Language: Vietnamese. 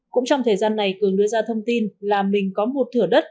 cũng trong thời gian này cường đưa ra thông tin là mình có một thửa đất